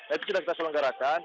itu sudah kita selenggarakan